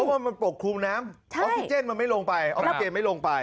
พวกเขาปกคลุมน้ำออฟฟิเจนมันไม่ลงไปออฟเกจไม่ลงไป